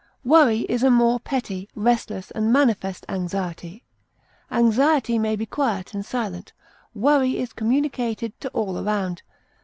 Worry is a more petty, restless, and manifest anxiety; anxiety may be quiet and silent; worry is communicated to all around.